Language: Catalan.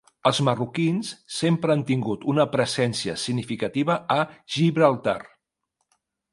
Els marroquins sempre han tingut una presència significativa a Gibraltar.